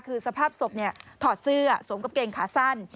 คือสภาพศพถอดเสื้อสวมกางเกงขาสั้น